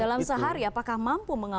dalam sehari apakah mampu